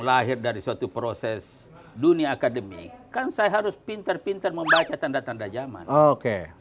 lahir dari suatu proses dunia akademi kan saya harus pintar pintar membaca tanda tanda zaman oke